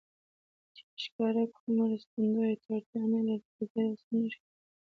چې په ښکاره کوم مرستندویه ته اړتیا نه لري، ګرځېدل سم نه ښکارېدل.